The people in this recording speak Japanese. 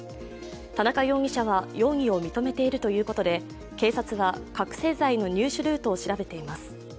田中容疑者は容疑を認めているということで警察は覚醒剤の入手ルートを調べています。